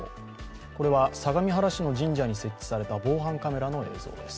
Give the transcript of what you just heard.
これは相模原市の神社に設置された防犯カメラの映像です。